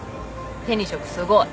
手に職すごい。